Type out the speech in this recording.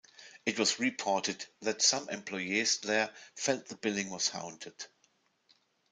It was reported that some employees there felt the building was haunted.